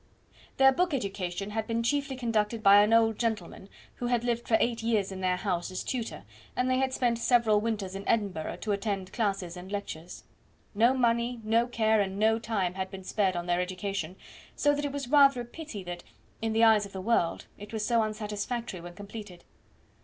Their book education had been chiefly conducted by an old gentleman, who had lived for eight years in their house as tutor, and they had spent several winters in Edinburgh, to attend classes and lectures. No money, no care, and no time had been spared on their education, so that it was rather a pity that, in the eyes of the world, it was so unsatisfactory when completed.